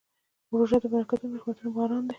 روژه د برکتونو او رحمتونو باران دی.